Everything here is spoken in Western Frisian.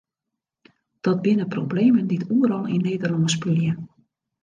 Dat binne problemen dy't oeral yn Nederlân spylje.